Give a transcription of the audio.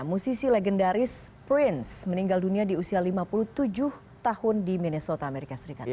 musisi legendaris prince meninggal dunia di usia lima puluh tujuh tahun di minesota amerika serikat